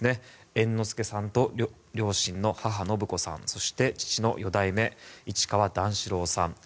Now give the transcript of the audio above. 猿之助さんと両親の母・延子さんそして父の四代目市川段四郎さん。